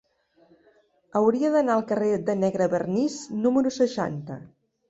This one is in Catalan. Hauria d'anar al carrer de Negrevernís número seixanta.